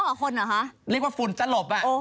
มันมีความรู้สึกว่าฟุนจะหลบอ่ะ